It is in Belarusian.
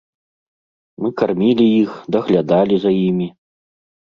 Мы кармілі іх, даглядалі за імі.